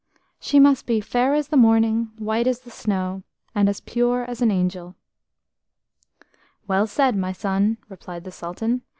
She must be fair as the morning, white as the snow, and as pure as an angel." "Well said, my son," replied the Sultan.